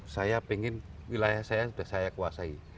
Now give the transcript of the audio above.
saya ingin wilayah saya sudah saya kuasai